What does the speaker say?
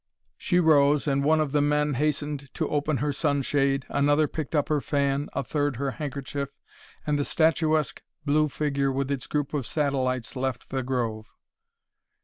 She rose, and one of the men hastened to open her sunshade, another picked up her fan, a third her handkerchief, and the statuesque blue figure with its group of satellites left the grove.